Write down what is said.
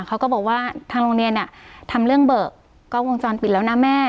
เขาก็บอกว่าทางโรงเรียนเนี่ยทำเรื่องเบิกกล้องวงจรปิดแล้วนะแม่